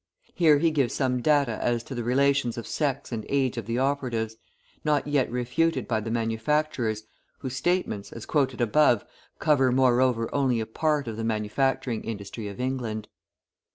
Here he gives some data as to the relations of sex and age of the operatives, not yet refuted by the manufacturers, whose statements, as quoted above, cover moreover only a part of the manufacturing industry of England.